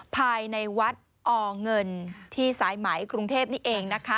ภายในวัดอเงินที่สายไหมกรุงเทพนี่เองนะคะ